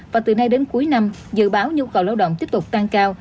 và từ nay đến cuối năm dự báo nhu cầu lao động tiếp tục tăng cao